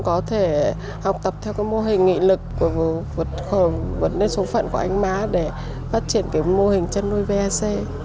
có thể học tập theo cái mô hình nghị lực vượt lên số phận của anh mã để phát triển cái mô hình chăn nuôi vac